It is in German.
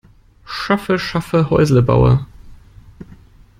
Schaffe schaffe Häusle baue.